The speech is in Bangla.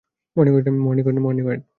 মর্নিং, ওয়েড!